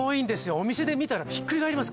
お店で見たらひっくり返ります